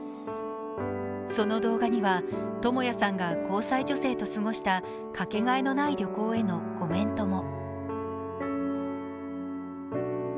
その動画には、智也さんが交際女性と過ごしたかけがえのない旅行へのコメントも。